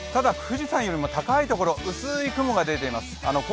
ただ富士山よりも高い所、薄い雲が出ています。